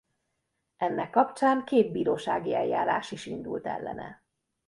Ennek kapcsán két bírósági eljárás is indult ellene.